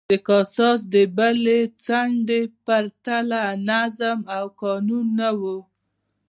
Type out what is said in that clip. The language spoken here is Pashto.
د کاساس د بلې څنډې په پرتله نظم او قانون نه و